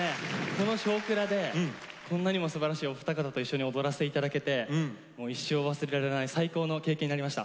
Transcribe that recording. この「少クラ」でこんなにもすばらしいお二方と一緒に踊らせていただけてもう一生忘れられない最高の経験になりました。